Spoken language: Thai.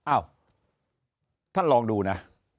อ้าวท่านลองดูนะ